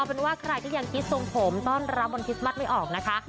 เป็นว่าใครก็ยังคิดทรงผมต้อนรับวันคริสต์มัสไม่ออกนะคะ